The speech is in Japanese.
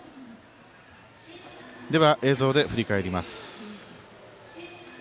では、映像で振り返ります。